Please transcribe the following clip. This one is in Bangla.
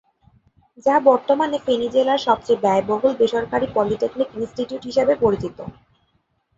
যা বর্তমানে ফেনী জেলার সবচেয়ে ব্যয়বহুল বেসরকারী পলিটেকনিক ইনস্টিটিউট হিসাবে পরিচিত।